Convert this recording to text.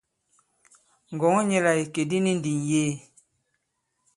Ngɔ̀ŋɔ nyɛ la ìkè di ni ndi ŋ̀yee.